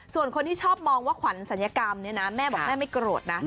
ส่วนคนที่ชอบมองว่าขวัญศัลยกรรมเนี่ยนะแม่บอกแม่ไม่โกรธนะ